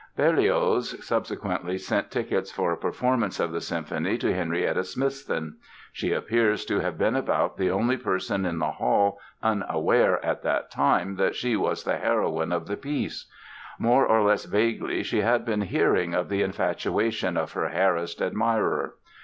Berlioz subsequently sent tickets for a performance of the symphony to Henrietta Smithson. She appears to have been about the only person in the hall unaware at that time that she was the heroine of the piece. More or less vaguely she had been hearing of the infatuation of her harassed admirer.